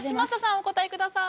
お答えください。